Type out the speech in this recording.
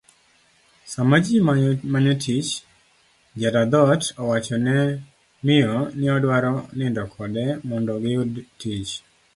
Sama ji manyo tich, jadadhok owachone miyo ni odwaro nindo kode mondo giyud tich